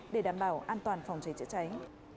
để đảm bảo an toàn phòng chế chữa cháy